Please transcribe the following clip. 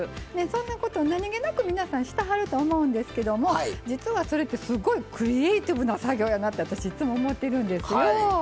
そんなことを何気なく皆さんしてはると思うんですけども実はそれってすごいクリエーティブな作業やなって私いつも思ってるんですよ。